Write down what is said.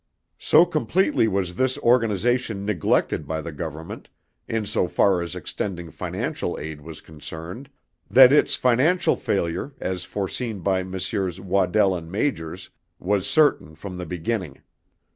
So completely was this organization neglected by the government, in so far as extending financial aid was concerned, that its financial failure, as foreseen by Messrs. Waddell and Majors, was certain from the beginning.